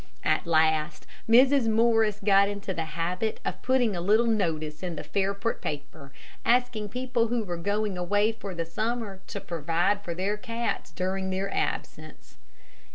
At last, Mrs. Morris got into the habit of putting a little notice in the Fairport paper, asking people who were going away for the summer to provide for their cats during their absence.